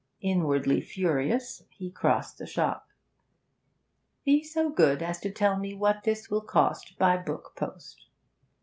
Inwardly furious, he crossed the shop. 'Be so good as to tell me what this will cost by book post.'